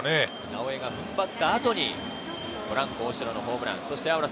直江が踏ん張った後にポランコと大城のホームラン。